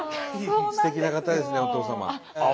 すてきな方ですねお父様。